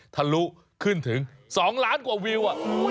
ทะลุขึ้นถึง๒ล้านกว่าวิว